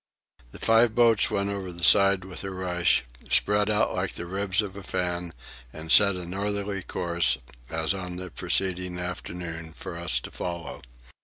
The five boats went over the side with a rush, spread out like the ribs of a fan, and set a northerly course, as on the preceding afternoon, for us to follow.